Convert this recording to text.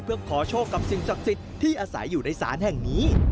เพื่อขอโชคกับสิ่งศักดิ์สิทธิ์ที่อาศัยอยู่ในศาลแห่งนี้